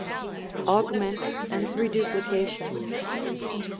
Augment xkd Eeduplication.